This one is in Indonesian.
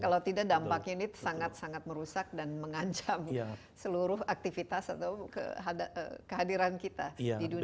karena kita dampak ini sangat sangat merusak dan mengancam seluruh aktivitas atau kehadiran kita di dunia ini